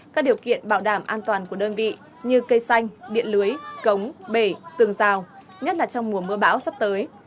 các điều kiện bảo đảm an toàn của đơn vị như cây xanh điện lưới cống bể tường rào nhất là trong mùa mưa bão sắp tới